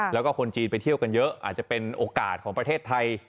แล้วก็คนจีนไปเที่ยวกันเยอะอาจจะเป็นโอกาสของประเทศไทย